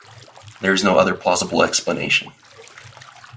There is no other plausible explanation.